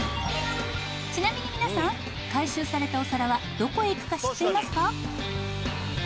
ちなみに皆さん回収されたお皿はどこへ行くか知っていますか？